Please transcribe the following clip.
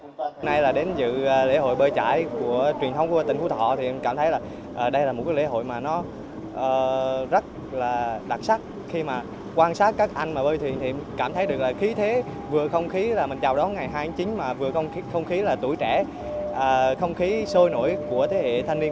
hôm nay là đến dự lễ hội bơi trải của truyền thống của tỉnh phú thọ thì em cảm thấy là đây là một lễ hội mà nó rất là đặc sắc khi mà quan sát các anh mà bơi thuyền thì em cảm thấy được là khí thế vừa không khí là mình chào đón ngày hai tháng chín mà vừa không khí là tuổi trẻ không khí sôi nổi của thế hệ